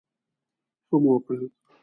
ښه مو وکړل.